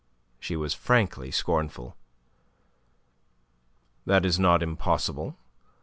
She was frankly scornful. "That is not impossible.